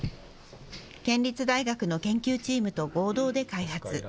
県立大学の研究チームと合同で開発。